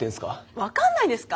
分かんないんですか？